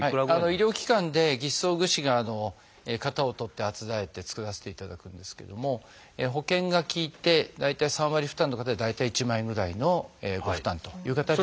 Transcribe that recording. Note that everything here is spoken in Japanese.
医療機関で義肢装具士が型を取ってあつらえて作らせていただくんですけども保険が利いて大体３割負担の方で大体１万円ぐらいのご負担という形に。